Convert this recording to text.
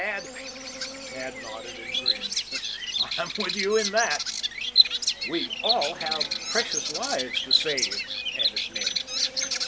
Tad nodded and grinned. "I'm with you in that." "We all have precious lives to save," added Ned.